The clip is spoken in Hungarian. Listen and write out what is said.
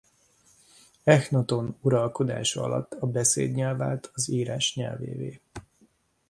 Ehnaton uralkodása alatt a beszélt nyelv vált az írás nyelvévé.